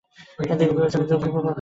তিনি বিবেচনার যোগ্য প্রভাব ফেলেন।